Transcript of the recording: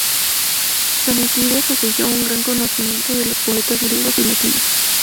San Isidoro poseyó un gran conocimiento de los poetas griegos y latinos.